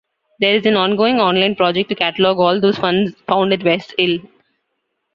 There is an ongoing, online project to catalogue all those found at West Hill.